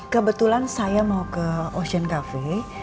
kebetulan saya mau ke ocean cafe